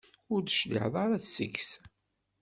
Ur d-tecliɛeḍ ara seg-s.